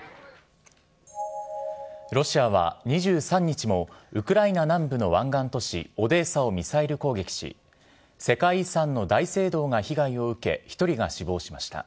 ロシアは２３日もウクライナ南部の湾岸都市オデーサをミサイル攻撃し、世界遺産の大聖堂が被害を受け、１人が死亡しました。